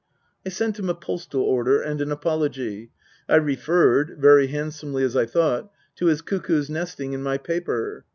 I sent him a postal order and an apology. I referred, very handsomely as I thought, to his cuckoo's nesting in my paper.